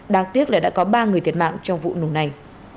đáng tiếc là đã có ba người thiệt mạng trong vụ nổ này